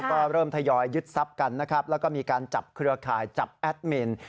ก็เริ่มทยอยยึดทรัพย์กันนะครับแล้วก็มีการจับเครือข่ายจับแอดมิน